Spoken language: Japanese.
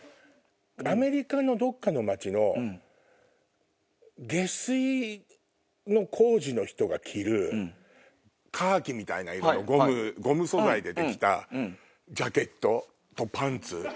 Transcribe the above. アメリカのどっかの街の下水の工事の人が着るカーキみたいな色のゴム素材でできたジャケットとパンツ。